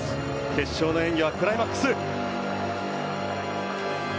決勝の演技はクライマックス。